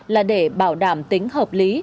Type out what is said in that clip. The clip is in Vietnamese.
là để bảo đảm tính hợp lý